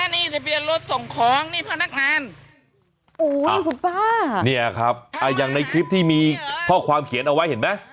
เนี่ยครับอย่างในคลิปที่มีเพราะความเขียนเอาไว้เห็นไหม